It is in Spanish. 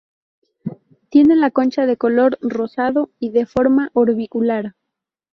Tiene la concha de color rosado y de forma orbicular.